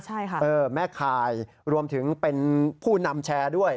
ใช่ค่ะเออแม่คายรวมถึงเป็นผู้นำแชร์ด้วย